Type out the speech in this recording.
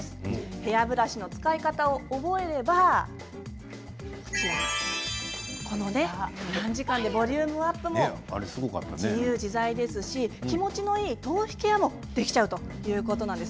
ヘアブラシの使い方を覚えればこの短時間でボリュームアップも自由自在ですし気持ちのいい頭皮ケアもできてしまうんです。